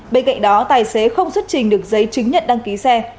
bên cạnh đó tài xế không xuất trình được giấy chứng nhận đăng ký xe